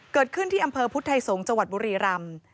เกิดขึ้นที่อำเภอพุทธไทยสงศ์จังหวัดบุรีรำ